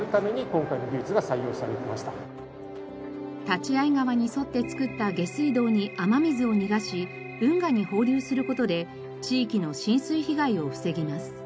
立会川に沿って造った下水道に雨水を逃がし運河に放流する事で地域の浸水被害を防ぎます。